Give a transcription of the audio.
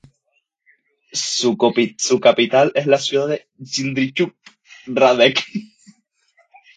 Su capital es la ciudad de Jindřichův Hradec.